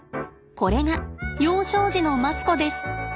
これが幼少時のマツコです。